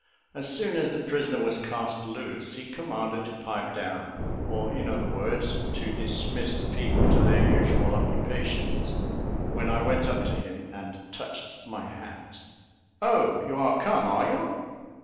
As soon as the prisoner was cast loose, he commanded to pipe down, or in other words, to dismiss the people to their usual occupations, when I went up to him, and touched my hat. "Oh! you are come, are you?